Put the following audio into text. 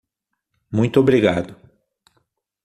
Muito obrigado.